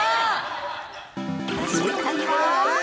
◆正解は◆